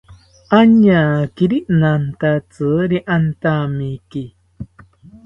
Añakiri nantatziri antamiki